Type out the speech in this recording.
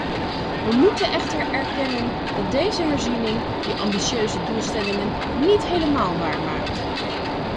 We moeten echter erkennen dat deze herziening die ambitieuze doelstellingen niet helemaal waarmaakt.